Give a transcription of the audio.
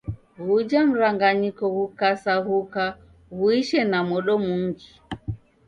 Ghuja mranganyiko ghukasaghuka, ghuishe na modo mungi.